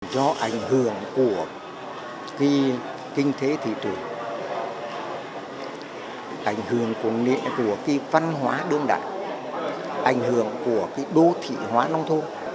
do ảnh hưởng của kinh tế thị trường ảnh hưởng của văn hóa đương đại ảnh hưởng của đô thị hóa nông thôn